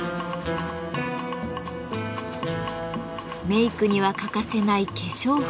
メークには欠かせない化粧筆。